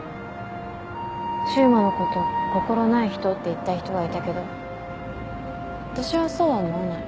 柊磨のこと心ない人って言った人がいたけど私はそうは思わない。